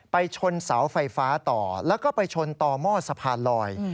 ชนเสาไฟฟ้าต่อแล้วก็ไปชนต่อหม้อสะพานลอย